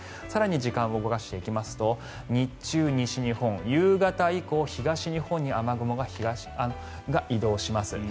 更に時間を動かしていきますと日中、西日本夕方以降、東日本に雨雲が移動します。